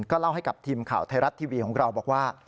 เล่าให้กับทีมข่าวไทยรัฐทีวีของเราบอกว่า